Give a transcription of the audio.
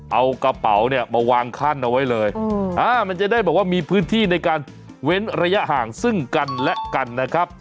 เอากระเป๋าเนี่ยมาวางขั้นเอาไว้เลยมันจะได้บอกว่ามีพื้นที่ในการเว้นระยะห่างซึ่งกันและกันนะครับ